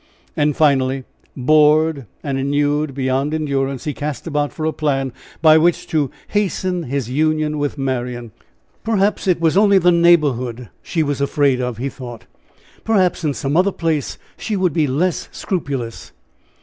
And finally, bored and ennuied beyond endurance, he cast about for a plan by which to hasten his union with Marian. Perhaps it was only that neighborhood she was afraid of, he thought perhaps in some other place she would be less scrupulous.